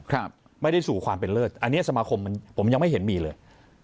ครับไม่ได้สู่ความเป็นเลิศอันนี้สมาคมมันผมยังไม่เห็นมีเลย